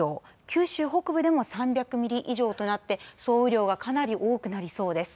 九州北部でも３００ミリ以上となって総雨量がかなり多くなりそうです。